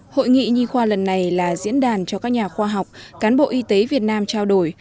hội nghị nhi khoa lần này là diễn đàn cho các nhà khoa học cán bộ y tế việt nam trao đổi